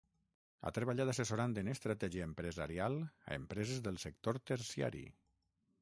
Ha treballat assessorant en estratègia empresarial a empreses del sector terciari.